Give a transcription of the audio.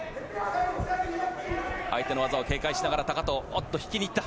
相手の技を警戒しながら高藤、引きに行った。